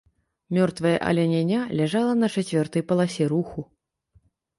Мёртвае аленяня ляжала на чацвёртай паласе руху.